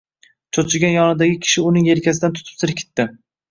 Cho‘chigan yonidagi kishi uning yelkasidan tutib silkitdi.